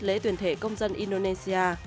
lễ tuyển thể công dân indonesia